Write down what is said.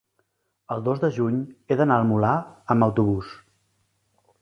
el dos de juny he d'anar al Molar amb autobús.